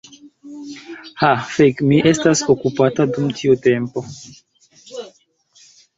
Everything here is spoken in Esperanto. Ha fek' mi estas okupata dum tiu tempo